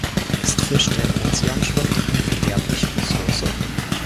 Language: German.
Ist Fisch, der im Ozean schwimmt, eine verderbliche Ressource?